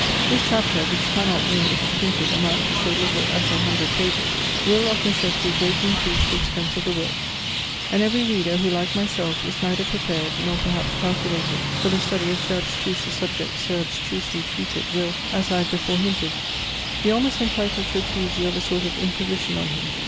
This Chapter, which cannot, when it is printed, amount to so little as an hundred pages, will of necessity greatly increase the expense of the work; and every reader who, like myself, is neither prepared nor perhaps calculated for the study of so abstruse a subject so abstrusely treated, will, as I have before hinted, be almost entitled to accuse you of a sort of imposition on him.